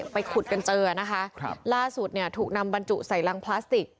ไปขุดกันเจอนะคะครับล่าสุดเนี่ยถูกนำบรรจุใส่รังพลาสติก